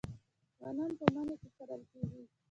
غنم په مني کې کرل کیږي.